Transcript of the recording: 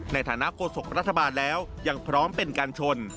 ในฐานะโฆษกรัฐบาลแล้วยังพร้อมเป็นการชน